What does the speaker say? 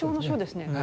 そうですね